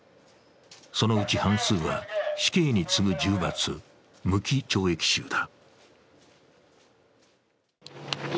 そのうち半数は、死刑に次ぐ重罰、無期懲役囚だ。